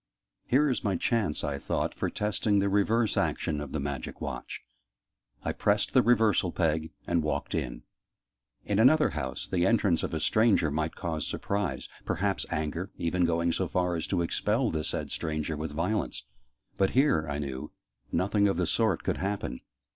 "Here is my chance," I thought, "for testing the reverse action of the Magic Watch!" I pressed the 'reversal peg' and walked in. In another house, the entrance of a stranger might cause surprise perhaps anger, even going so far as to expel the said stranger with violence: but here, I knew, nothing of the sort could happen.